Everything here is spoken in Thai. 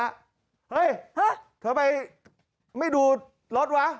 เฮ้ยทำไมไม่ดูรถวะ